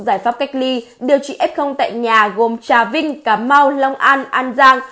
góp cách ly điều trị f tại nhà gồm trà vinh cà mau long an an giang